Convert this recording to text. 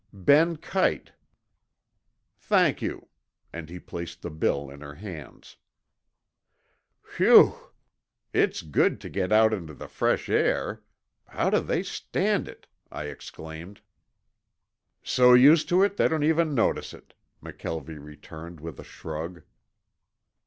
"Ben Kite." "Thank you," and he placed the bill in her hands. "Phew! It's good to get out into the fresh air. How do they stand it!" I exclaimed. "So used to it they don't even notice it," McKelvie returned with a shrug.